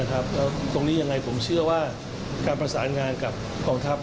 แล้วตรงนี้ยังไงผมเชื่อว่าการประสานงานกับกองทัพ